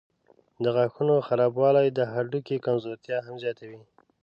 د غاښونو خرابوالی د هډوکو کمزورتیا هم زیاتوي.